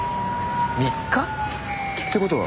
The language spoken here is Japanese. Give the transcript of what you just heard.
３日？って事は。